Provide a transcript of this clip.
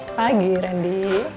selamat pagi randi